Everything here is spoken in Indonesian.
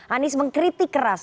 anies mengkritik keras